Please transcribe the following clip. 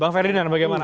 bang ferdinand bagaimana